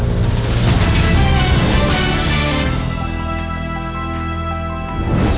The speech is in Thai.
สวัสดีครับ